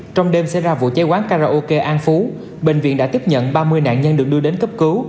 trong đêm xảy ra vụ cháy quán karaoke an phú bệnh viện đã tiếp nhận ba mươi nạn nhân được đưa đến cấp cứu